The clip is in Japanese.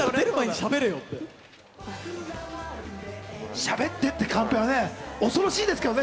「しゃべって」ってカンペは恐ろしいですけどね。